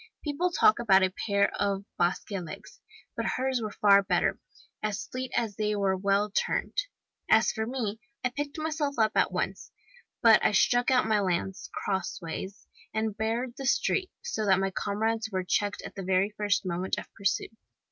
People talk about a pair of Basque legs! but hers were far better as fleet as they were well turned. As for me, I picked myself up at once, but I stuck out my lance* crossways and barred the street, so that my comrades were checked at the very first moment of pursuit.